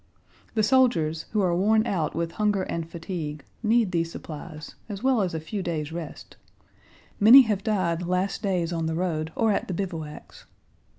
The soldiers, who are worn out with hunger and fatigue, need these supplies as well as a few days' rest. Many have died these last days on the road or at the bivouacs.